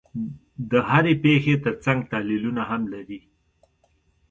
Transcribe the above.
د هرې پېښې ترڅنګ تحلیلونه هم لري.